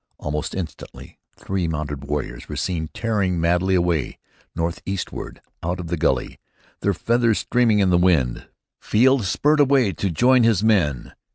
Almost instantly three mounted warriors were seen tearing madly away northeastward out of the gully, their feathers streaming in the wind. Field spurred away to join his men.